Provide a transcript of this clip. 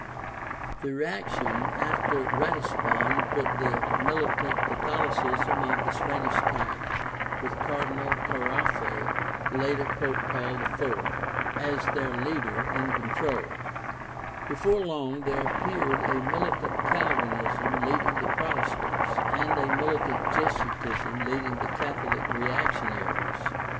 4o8 GUIDE TO STUDY OF CHRISTIAN RELIGION The reaction after Ratisbon put the militant Catholicism of the Spanish type, with Cardinal Caraffa, later Pope Paul IV, as their leader, in control. Before long there appeared a mili tant Calvinism leading the Protestants and a militant Jesu itism leading the Catholic reactionaries.